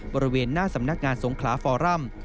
บริเวณหน้าสำนักงานทรงคลาค์๔ร่ำ